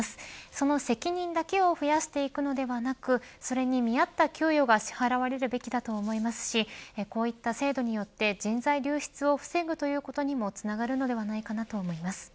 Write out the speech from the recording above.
その責任だけを増やしていくのではなくそれに見合った給与が支払われるべきだと思いますしこういった制度によって人材流出を防ぐということにもつながるのではないかと思います。